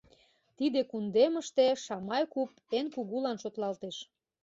Тиде кундемыште Шамай куп эн кугулан шотлалтеш.